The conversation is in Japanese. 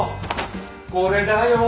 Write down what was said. これだよ！